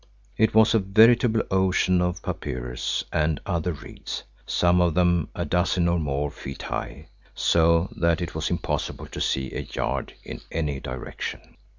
It was a veritable ocean of papyrus and other reeds, some of them a dozen or more feet high, so that it was impossible to see a yard in any direction.